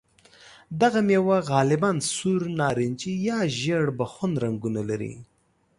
دغه مېوه غالباً سور، نارنجي یا ژېړ بخن رنګونه لري.